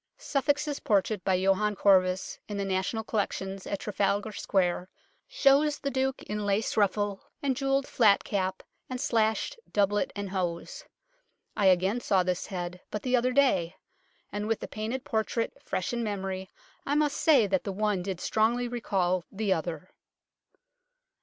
Suffolk's portrait by Johannes Corvus in the national collections at Trafalgar Square shows the Duke in lace ruffle and jewelled flat cap and slashed doublet and hose. I again saw this head but the other day, and with the painted portrait fresh in memory I must say that the one did strongly recall the other.